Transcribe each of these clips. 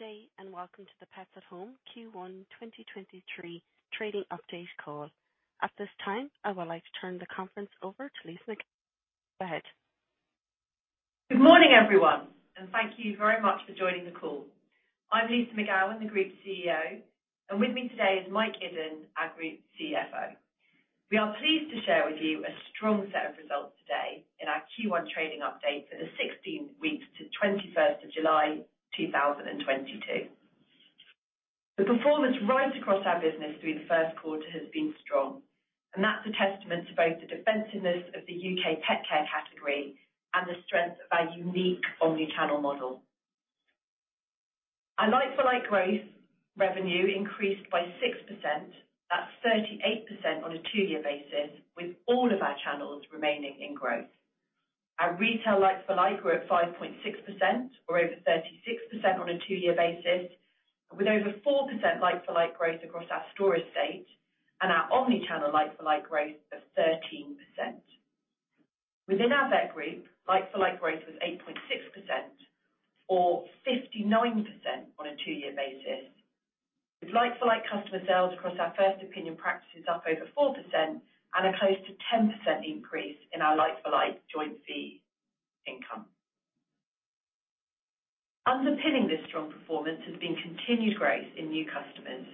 Good day, and welcome to the Pets at Home Q1 2023 trading update call. At this time, I would like to turn the conference over to Lyssa McGowan. Go ahead. Good morning, everyone, and thank you very much for joining the call. I'm Lyssa McGowan, the Group CEO, and with me today is Mike Iddon, our Group CFO. We are pleased to share with you a strong set of results today in our Q1 trading update for the 16 weeks to 21st of July 2022. The performance right across our business through the first quarter has been strong, and that's a testament to both the defensiveness of the U.K. pet care category and the strength of our unique omnichannel model. Our like-for-like growth revenue increased by 6%. That's 38% on a two-year basis, with all of our channels remaining in growth. Our retail like-for-like grew at 5.6% or over 36% on a two-year basis, with over 4% like-for-like growth across our store estate and our omnichannel like-for-like growth of 13%. Within our vet group, like-for-like growth was 8.6% or 59% on a two-year basis. With like-for-like customer sales across our first opinion practices up over 4% and a close to 10% increase in our like-for-like joint fee income. Underpinning this strong performance has been continued growth in new customers,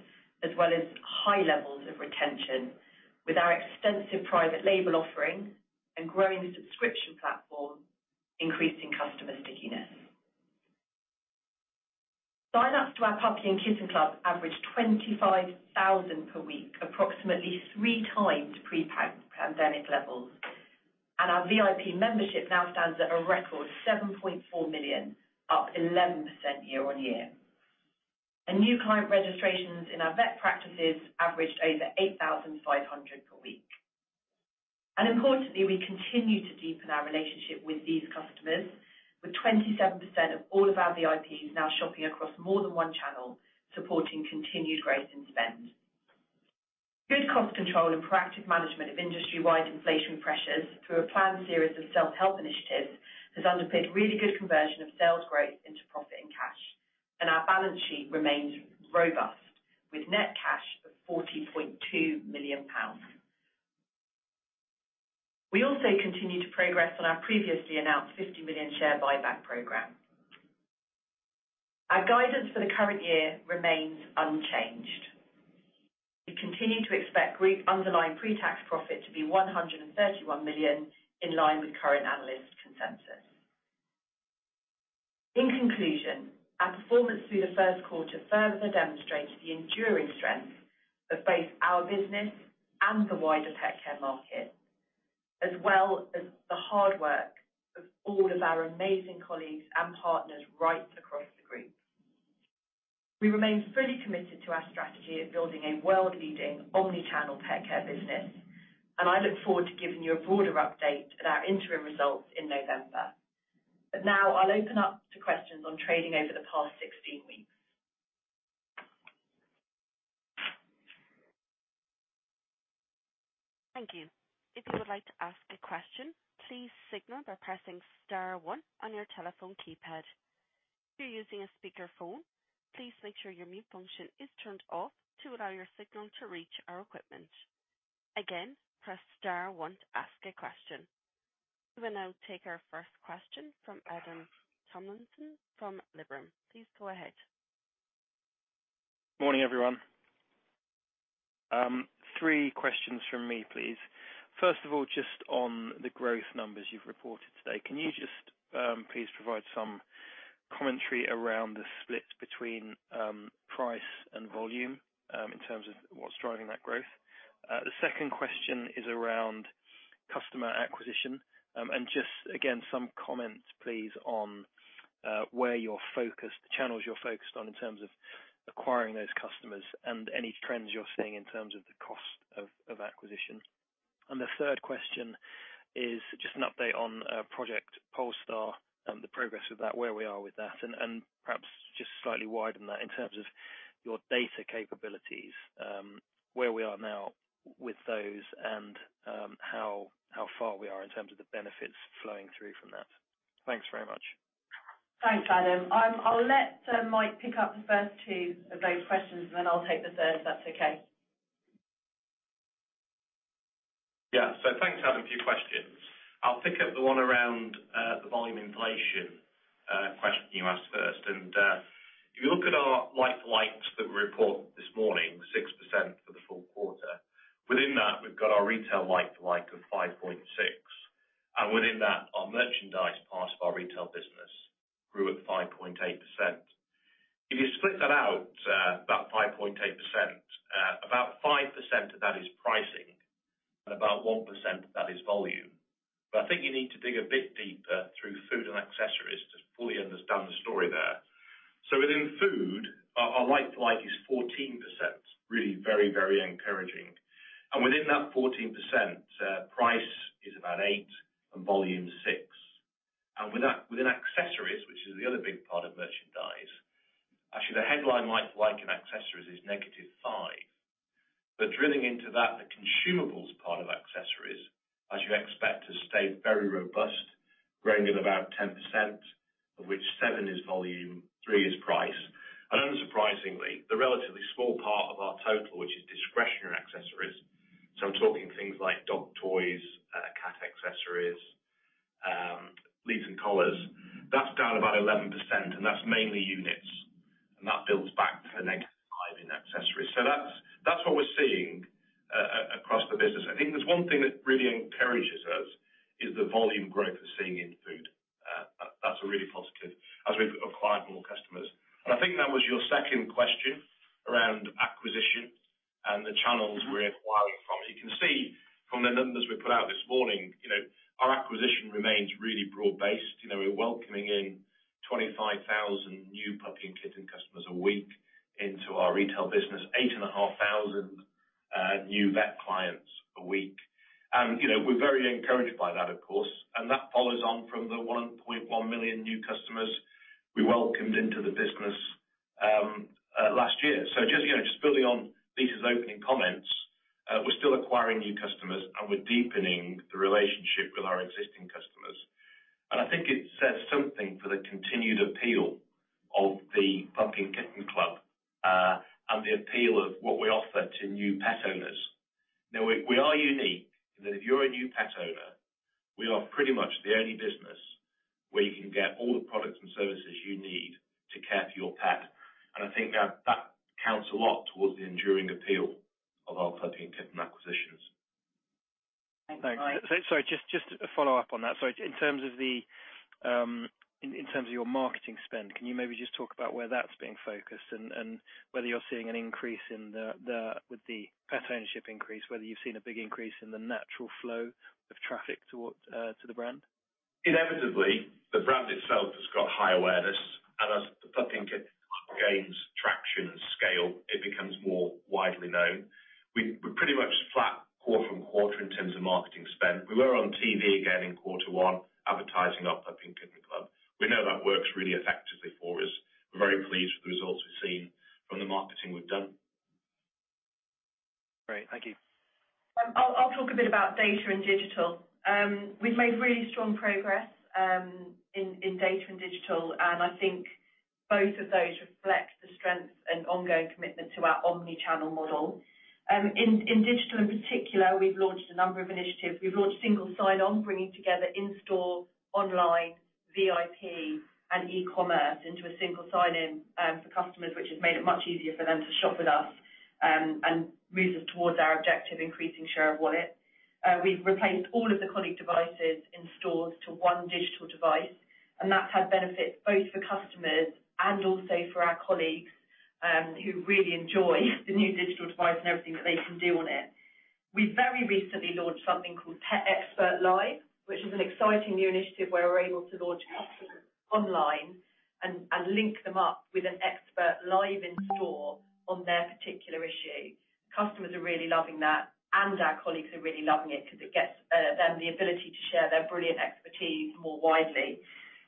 as well as high levels of retention with our extensive private label offering and growing subscription platform increasing customer stickiness. Sign-ups to our Puppy & Kitten Club averaged 25,000 per week, approximately 3x pre-pandemic levels. Our VIP membership now stands at a record 7.4 million, up 11% year-on-year. New client registrations in our vet practices averaged over 8,500 per week. Importantly, we continue to deepen our relationship with these customers, with 27% of all of our VIPs now shopping across more than one channel, supporting continued growth and spend. Good cost control and proactive management of industry-wide inflation pressures through a planned series of self-help initiatives has underpinned really good conversion of sales growth into profit and cash. Our balance sheet remains robust with net cash of 40.2 million pounds. We also continue to progress on our previously announced 50 million share buyback program. Our guidance for the current year remains unchanged. We continue to expect group underlying pre-tax profit to be 131 million in line with current analyst consensus. In conclusion, our performance through the first quarter further demonstrated the enduring strength of both our business and the wider pet care market, as well as the hard work of all of our amazing colleagues and partners right across the group. We remain fully committed to our strategy of building a world-leading omnichannel pet care business, and I look forward to giving you a broader update at our interim results in November. Now I'll open up to questions on trading over the past 16 weeks. Thank you. If you would like to ask a question, please signal by pressing star one on your telephone keypad. If you're using a speaker phone, please make sure your mute function is turned off to allow your signal to reach our equipment. Again, press star one to ask a question. We will now take our first question from Adam Tomlinson from Liberum. Please go ahead. Morning, everyone. Three questions from me, please. First of all, just on the growth numbers you've reported today, can you just, please provide some commentary around the split between, price and volume, in terms of what's driving that growth. The second question is around customer acquisition. Just again, some comments, please, on, where you're focused, the channels you're focused on in terms of acquiring those customers and any trends you're seeing in terms of the cost of acquisition. The third question is just an update on, Project Polestar and the progress with that, where we are with that, and perhaps just slightly widen that in terms of your data capabilities, where we are now with those and, how far we are in terms of the benefits flowing through from that. Thanks very much. Thanks, Adam. I'll let Mike pick up the first two of those questions, and then I'll take the third, if that's okay. Yeah. Thanks Adam for your questions. I'll pick up the one around the volume inflation question you asked first. If you look at our like-for-likes that were reported this morning, 6% for the full quarter. Within that, we've got our retail like-for-like of 5.6. Within that, our merchandise part of our retail business grew at 5.8%. If you split that out, that 5.8%, about 5% of that is pricing and about 1% of that is volume. But I think you need to dig a bit deeper through food and accessories to fully understand the story there. Within food, our like-for-like is 14%. Really very, very encouraging. Within that 14%, price is about 8% and volume 6%. With that, within accessories, which is the other big part of merchandise, actually the headline like-for-like in accessories is -5%. Drilling into that, the consumables part of accessories, as you expect, has stayed very robust, growing at about 10%, of which seven is volume, three is price. Unsurprisingly, the relatively small part of our total, which is discretionary accessories, so I'm talking things like dog toys, cat accessories, leads and collars, that's down about 11%, and that's mainly units. That builds back to of our Puppy & Kitten Club. Thanks. Sorry, just to follow up on that. In terms of your marketing spend, can you maybe just talk about where that's being focused and whether you're seeing an increase in the with the pet ownership increase, whether you've seen a big increase in the natural flow of traffic towards to the brand? Inevitably, the brand itself has got high awareness, and as the Puppy & Kitten Club gains traction and scale, it becomes more widely known. We're pretty much flat quarter and quarter in terms of marketing spend. We were on TV again in quarter one advertising our Puppy & Kitten Club. We know that works really effectively for us. We're very pleased with the results we've seen from the marketing we've done. Great. Thank you. I'll talk a bit about data and digital. We've made really strong progress in data and digital, and I think both of those reflect the strength and ongoing commitment to our omnichannel model. In digital in particular, we've launched a number of initiatives. We've launched single sign-on, bringing together in-store, online, VIP, and e-commerce into a single sign-in for customers, which has made it much easier for them to shop with us and moves us towards our objective, increasing share of wallet. We've replaced all of the colleague devices in stores to one digital device, and that's had benefits both for customers and also for our colleagues, who really enjoy the new digital device and everything that they can do on it. We very recently launched something called Pet Expert Live, which is an exciting new initiative where we're able to connect customers online and link them up with an expert live in store on their particular issue. Customers are really loving that, and our colleagues are really loving it because it gets them the ability to share their brilliant expertise more widely.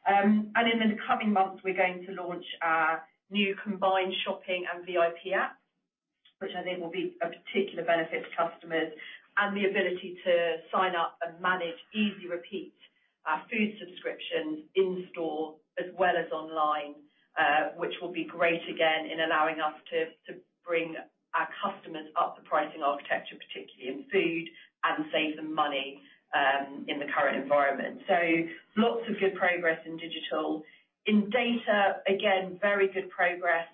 In the coming months, we're going to launch our new combined shopping and VIP app, which I think will be a particular benefit to customers, and the ability to sign up and manage Easy Repeat food subscriptions in-store as well as online, which will be great again in allowing us to bring our customers up the pricing architecture, particularly in food and save them money in the current environment. Lots of good progress in digital. In data, again, very good progress.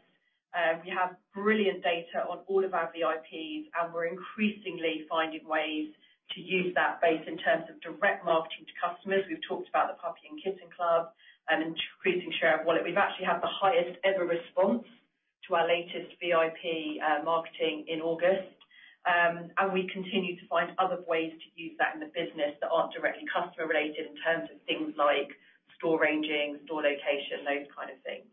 We have brilliant data on all of our VIPs, and we're increasingly finding ways to use that base in terms of direct marketing to customers. We've talked about the Puppy & Kitten Club and increasing share of wallet. We've actually had the highest ever response to our latest VIP marketing in August. We continue to find other ways to use that in the business that aren't directly customer related in terms of things like store ranging, store location, those kind of things.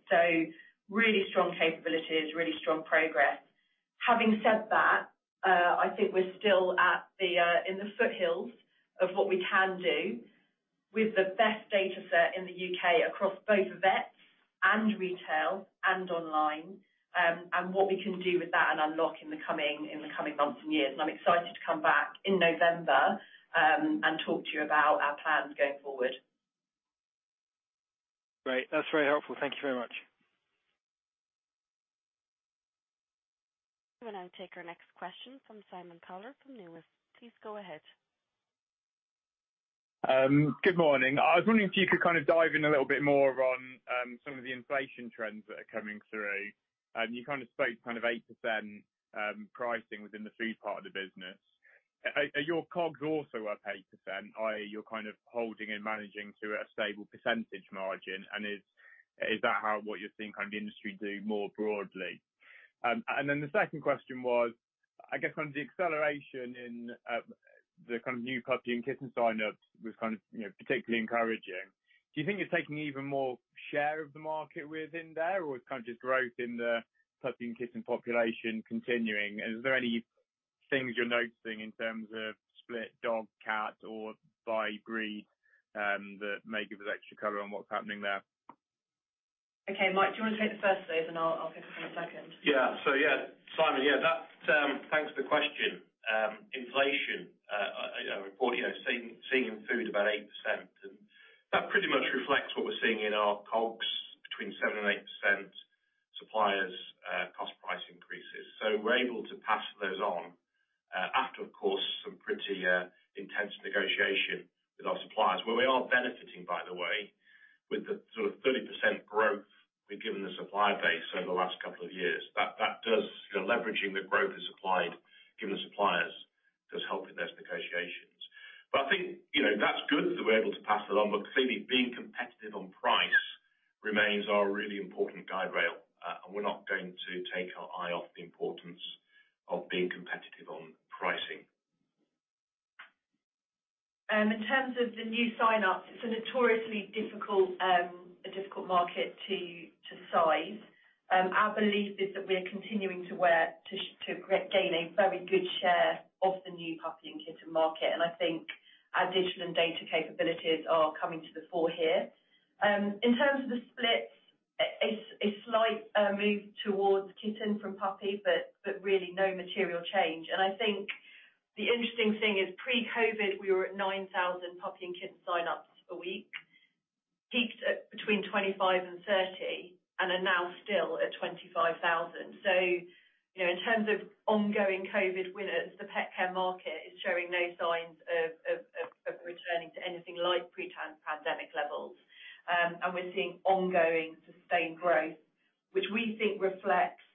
Really strong capabilities, really strong progress. Having said that, I think we're still in the foothills of what we can do with the best data set in the U.K. across both vets and retail and online, and what we can do with that and unlock in the coming months and years. I'm excited to come back in November and talk to you about our plans going forward. Great. That's very helpful. Thank you very much. We will now take our next question from Simon Bowler from Numis. Please go ahead. Good morning. I was wondering if you could kind of dive in a little bit more on some of the inflation trends that are coming through. You kind of spoke kind of 8% pricing within the food part of the business. Are your COGS also up 8%, i.e. you're kind of holding and managing to a stable percentage margin? Is that how what you're seeing kind of the industry do more broadly? The second question was, I guess from the acceleration in the kind of new Puppy & Kitten sign-ups was kind of, you know, particularly encouraging. Do you think you're taking even more share of the market within there, or it's kind of just growth in the Puppy & Kitten population continuing? Is there any things you're noticing in terms of split dog, cat or by breed, that may give us extra cover on what's happening there? Okay, Mike, do you want to take the first of those and I'll pick up on the second? Simon, thanks for the question. Inflation, you know, seeing in food about 8%. That pretty much reflects what we're seeing in our COGS between 7%-8% supplier cost price increases. We're able to pass those on after, of course, some pretty intense negotiation with our suppliers. We're benefiting, by the way, with the sort of 30% growth we've given the supply base over the last couple of years. That does, you know, leveraging the growth we've given the suppliers does help in those negotiations. I think, you know, that's good that we're able to pass that on. Clearly being competitive on price remains our really important guide rail, and we're not going to take our eye off the importance of being competitive on pricing. In terms of the new signups, it's a notoriously difficult market to size. Our belief is that we are continuing to gain a very good share of the new puppy and kitten market. I think our digital and data capabilities are coming to the fore here. In terms of the split, it's a slight move towards kitten from puppy, but really no material change. I think the interesting thing is pre-COVID we were at 9,000 puppy and kitten sign-ups a week, peaked at between 25 and 30, and are now still at 25,000. You know, in terms of ongoing COVID winners, the pet care market is showing no signs of returning to anything like pre-pandemic levels. We're seeing ongoing sustained growth, which we think reflects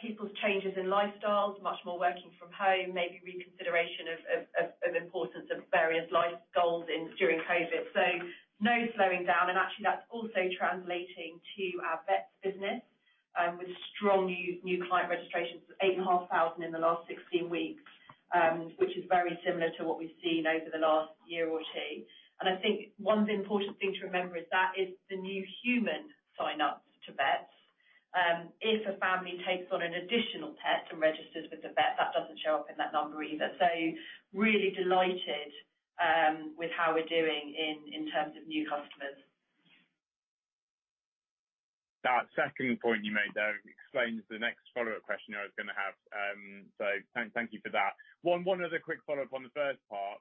people's changes in lifestyles, much more working from home, maybe reconsideration of importance of various life goals during COVID. No slowing down. Actually that's also translating to our vet business with strong new client registrations of 8,500 in the last 16 weeks, which is very similar to what we've seen over the last year or two. I think one important thing to remember is that is the new human sign-ups to vets. If a family takes on an additional pet and registers with the vet, that doesn't show up in that number either. Really delighted with how we're doing in terms of new customers. That second point you made there explains the next follow-up question I was gonna have. Thank you for that. One other quick follow-up on the first part,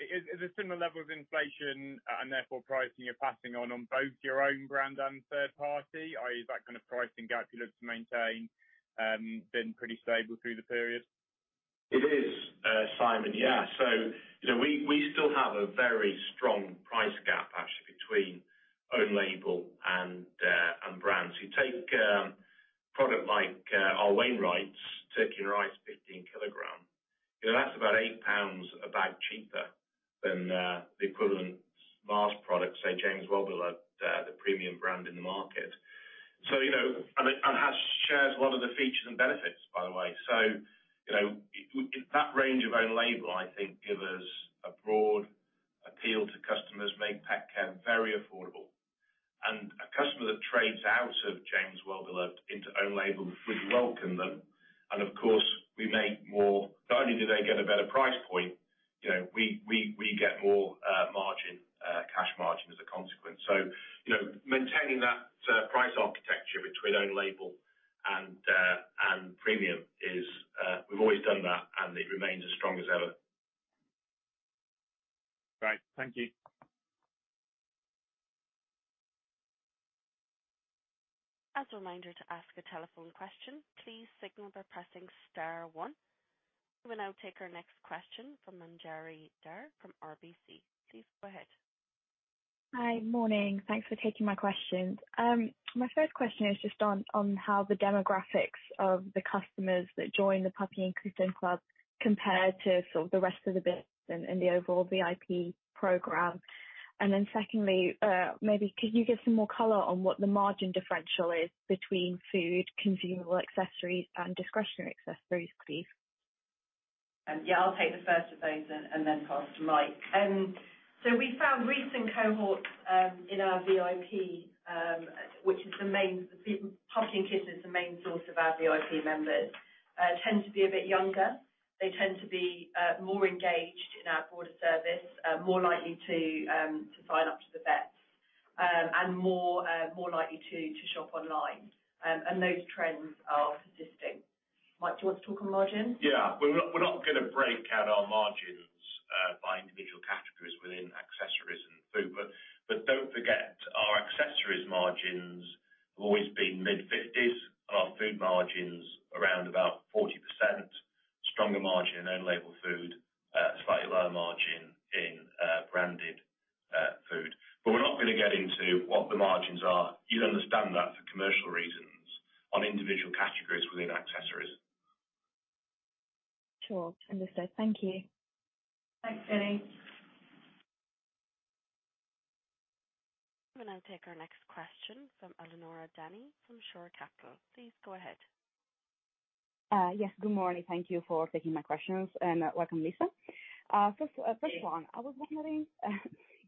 is a similar level of inflation and therefore pricing you're passing on both your own brand and third party? i.e., is that kind of pricing calculus to maintain been pretty stable through the period? It is Simon. Yeah. You know, we still have a very strong price gap actually between own label and brands. You take product like our Wainwright's Turkey and Rice 15 kg. You know, that's about 8 pounds a bag cheaper than the equivalent large product, say, James Wellbeloved, the premium brand in the market. You know, it shares a lot of the features and benefits, by the way. You know, that range of own label, I think give us a broad appeal to customers, make pet care very affordable. A customer that trades out of James Wellbeloved into own label, we welcome them. Of course, we make more. Not only do they get a better price point, you know, we get more cash margin as a consequence. You know, maintaining that price architecture between own label and premium is, we've always done that, and it remains as strong as ever. Great. Thank you. As a reminder to ask a telephone question, please signal by pressing star one. We'll now take our next question from Manjari Dhar from RBC. Please go ahead. Hi. Morning. Thanks for taking my questions. My first question is just on how the demographics of the customers that join the Puppy & Kitten Club compare to sort of the rest of the business and the overall VIP program. Then secondly, maybe could you give some more color on what the margin differential is between food, consumable accessories, and discretionary accessories, please? Yeah, I'll take the first of those and then pass to Mike. We found recent cohorts in our VIP, which is the Puppy & Kitten Club is the main source of our VIP members, tend to be a bit younger. They tend to be more engaged in our broader service, more likely to sign up to the vets, and more likely to shop online. Those trends are persisting. Mike, do you want to talk on margins? We're not gonna break out our margins by individual categories within accessories and food. Don't forget, our accessories margins have always been mid-50s, and our food margins around about 40%. Stronger margin in label food, slightly lower margin in branded food. We're not gonna get into what the margins are. You'd understand that for commercial reasons on individual categories within accessories. Sure. Understood. Thank you. Thanks, Manjari. We'll now take our next question from Eleonora Dani, from Shore Capital. Please go ahead. Yes, good morning. Thank you for taking my questions, and welcome, Lyssa. First one, I was wondering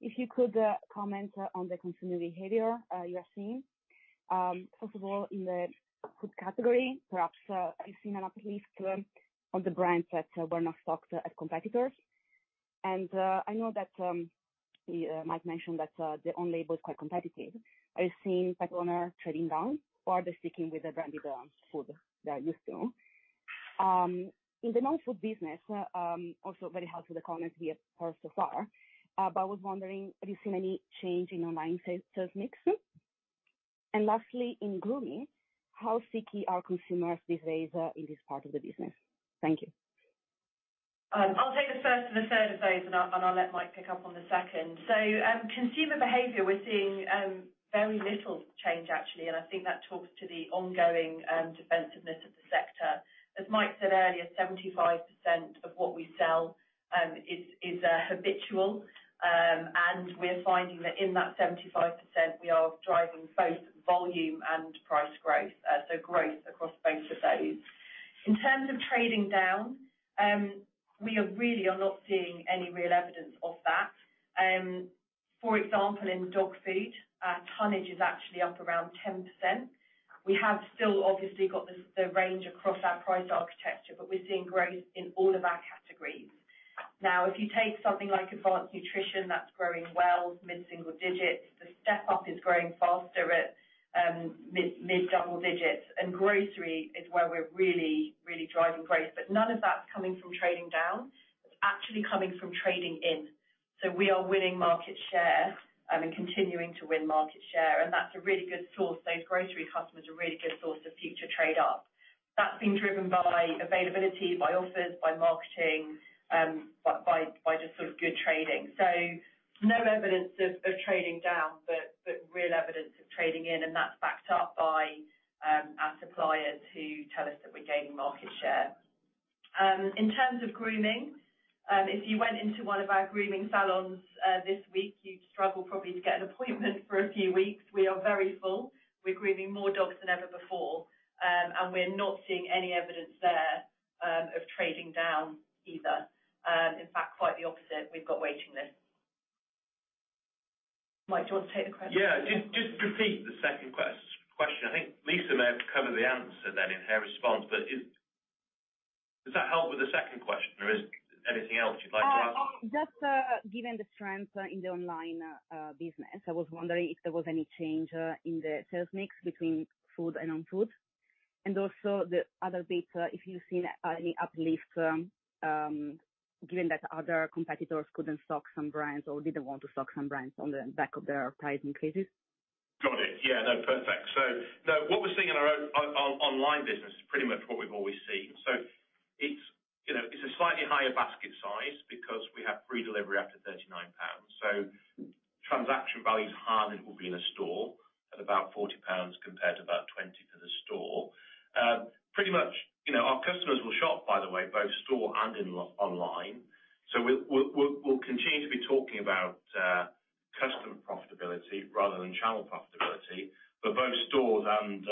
if you could comment on the consumer behavior you are seeing first of all in the food category. Perhaps you've seen an uplift on the brands that were not stocked at competitors. I know that Mike mentioned that the own label is quite competitive. Are you seeing pet owner trading down or are they sticking with the branded food they are used to? In the non-food business, also very helpful the comments we have heard so far, but I was wondering, have you seen any change in online sales mix? Lastly, in grooming, how sticky are consumers these days in this part of the business? Thank you. I'll take the first and the third of those, and I'll let Mike pick up on the second. Consumer behavior, we're seeing very little change actually, and I think that talks to the ongoing defensiveness of the sector. As Mike said earlier, 75% of what we sell is habitual. We're finding that in that 75% we are driving both volume and price growth, so growth across both of those. In terms of trading down, we are really not seeing any real evidence of that. For example, in dog food, our tonnage is actually up around 10%. We have still obviously got the range across our price architecture, but we're seeing growth in all of our categories. Now, if you take something like Advanced Nutrition, that's growing well, mid-single digits. The step up is growing faster at mid double digits. Grocery is where we're really driving growth. None of that's coming from trading down. It's actually coming from trading in. We are winning market share and continuing to win market share, and that's a really good source. Those grocery customers are a really good source of future trade up. That's been driven by availability, by offers, by marketing, by just sort of good trading. No evidence of trading down, but real evidence of trading in, and that's backed up by our suppliers who tell us that we're gaining market share. In terms of grooming, if you went into one of our grooming salons, this week, you'd struggle probably to get an appointment for a few weeks. We are very full. We're grooming more dogs than ever before, and we're not seeing any evidence there, of trading down either. In fact, quite the opposite. We've got waiting lists. Mike, do you want to take the question? Yeah. Just repeat the second question. I think Lyssa may have covered the answer then in her response. Does that help with the second question or is anything else you'd like to add? Just given the strength in the online business, I was wondering if there was any change in the sales mix between food and non-food. Also the other bit, if you've seen any uplift, given that other competitors couldn't stock some brands or didn't want to stock some brands on the back of their price increases. Got it. Yeah. No, perfect. What we're seeing in our own online business is pretty much what we've always seen. It's, you know, it's a slightly higher basket size because we have free delivery after 39 pounds. Transaction value is higher than it will be in a store at about 40 pounds compared to about 20 for the store. Pretty much, you know, our customers will shop, by the way, both in store and online. We'll continue to be talking about customer profitability rather than channel profitability. But both stores and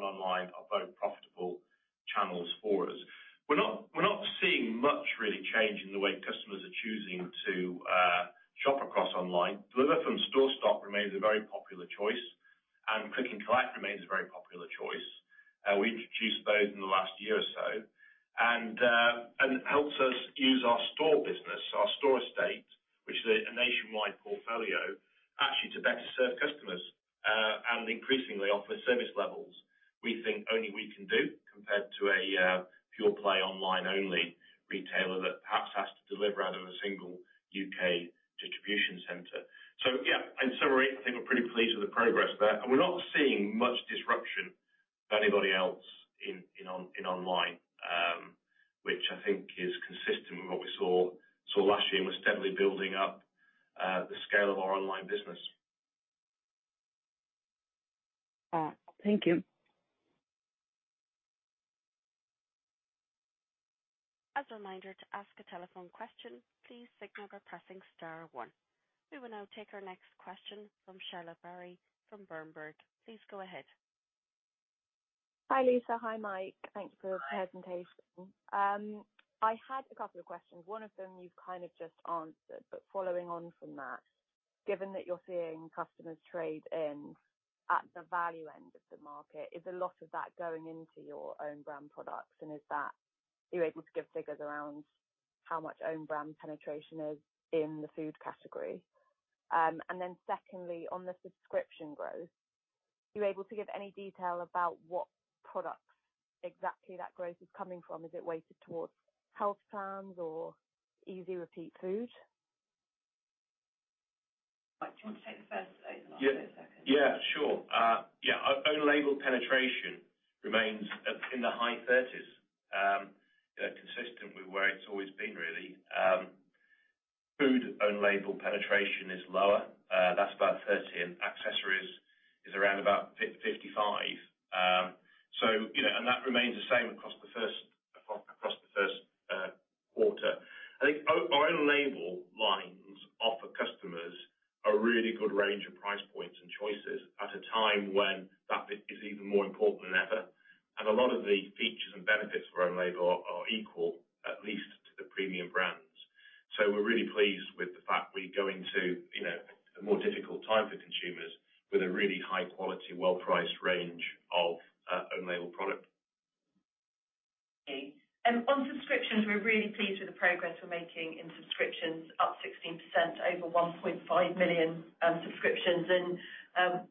online are both profitable channels for us. We're not seeing much really change in the way customers are choosing to shop online. Deliver from store stock remains a very popular choice, and click and collect remains a very popular choice. We introduced those in the last year or so. It helps us use our store business, our store estate, which is a nationwide portfolio, actually to better serve customers, and increasingly offer service levels we think only we can do compared to a pure play online only retailer that perhaps has to deliver out of a single U.K. distribution center. Yeah, in summary, I think we're pretty pleased with the progress there. We're not seeing much disruption of anybody else in online, which I think is consistent with what we saw last year and we're steadily building up the scale of our online business. Thank you. As a reminder to ask a telephone question, please signal by pressing star one. We will now take our next question from Charlotte Barrie from Berenberg. Please go ahead. Hi, Lisa. Hi, Mike. Thank you for the presentation. I had a couple of questions. One of them you've kind of just answered, but following on from that, given that you're seeing customers trade down at the value end of the market, is a lot of that going into your own brand products and is that you're able to give figures around how much own brand penetration is in the food category? Secondly, on the subscription growth, are you able to give any detail about what products exactly that growth is coming from? Is it weighted towards health plans or Easy Repeat Food? Mike, do you want to take the first of those, and I'll take the second. Yeah, sure. Our own label penetration remains up in the high 30s, consistent with where it's always been really. Food own label penetration is lower, that's about 30%, and accessories is around 55%. So you know, and that remains the same across the first quarter. I think our own label lines offer customers a really good range of price points and choices at a time when that is even more important than ever. A lot of the features and benefits for own label are equal, at least to the premium brands. We're really pleased with the fact we go into, you know, a more difficult time for consumers with a really high quality, well-priced range of own label product. On subscriptions, we're really pleased with the progress we're making in subscriptions, up 16% over 1.5 million subscriptions.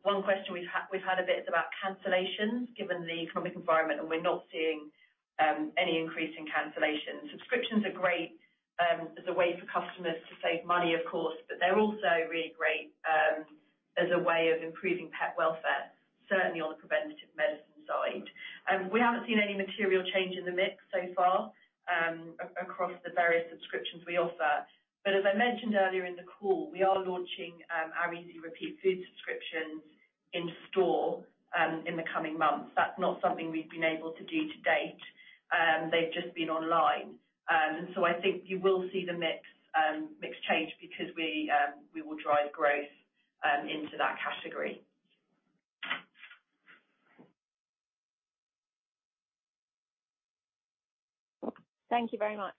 One question we've had is about cancellations given the economic environment, and we're not seeing any increase in cancellations. Subscriptions are great as a way for customers to save money, of course, but they're also really great as a way of improving pet welfare, certainly on the preventative medicine side. We haven't seen any material change in the mix so far across the various subscriptions we offer. As I mentioned earlier in the call, we are launching our Easy Repeat Food subscriptions in store in the coming months. That's not something we've been able to do to date. They've just been online. I think you will see the mix change because we will drive growth into that category. Thank you very much.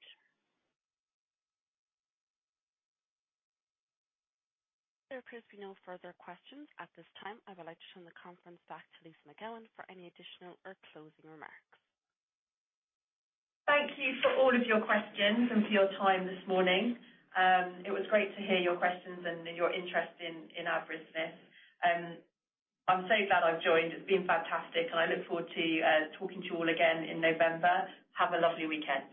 There appears to be no further questions at this time. I would like to turn the conference back to Lyssa McGowan for any additional or closing remarks. Thank you for all of your questions and for your time this morning. It was great to hear your questions and your interest in our business. I'm so glad I've joined. It's been fantastic, and I look forward to talking to you all again in November. Have a lovely weekend.